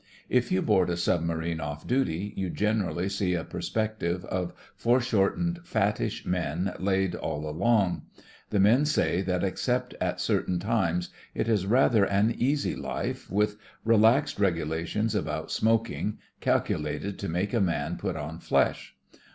If you board a submarine off duty you generally see a perspective of fore shortened fattish men laid all along. The men say that except at certain times it is rather an easy life, with relaxed regulations about smoking, calculated to make a man 59 60 THE FRINGES OF THE FLEET put on flesh.